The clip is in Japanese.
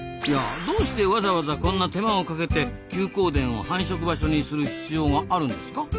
いやどうしてわざわざこんな手間をかけて休耕田を繁殖場所にする必要があるんですか？